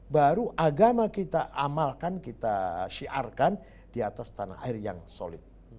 baru agama kita amalkan kita syiarkan di atas tanah air yang solid